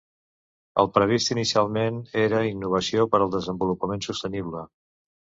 El previst inicialment era Innovació per al desenvolupament sostenible.